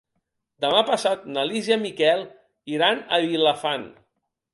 Demà passat na Lis i en Miquel iran a Vilafant.